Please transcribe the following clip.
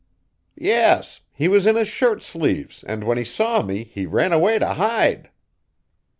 "Yes. He was in his shirt sleeves and when he saw me he ran away to hide."